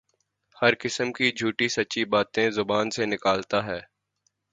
ہر قسم کی جھوٹی سچی باتیں زبان سے نکالتا ہے